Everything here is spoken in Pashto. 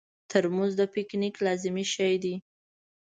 ترموز د پکنیک لازمي شی دی.